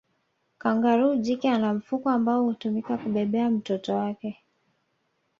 kangaroo jike ana mfuko ambao hutumika kubebea mtoto wake